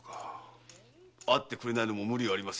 会ってくれないのも無理はありません。